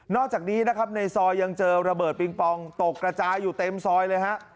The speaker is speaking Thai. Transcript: อกจากนี้นะครับในซอยยังเจอระเบิดปิงปองตกกระจายอยู่เต็มซอยเลยฮะ